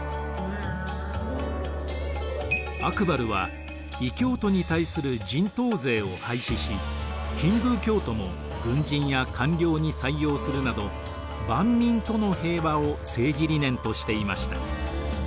アクバルは異教徒に対する人頭税を廃止しヒンドゥー教徒も軍人や官僚に採用するなど万民との平和を政治理念としていました。